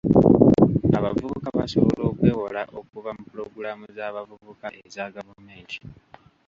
Abavubuka basobola okwewola okuva mu pulogulaamu z'abavubuka eza gavumenti.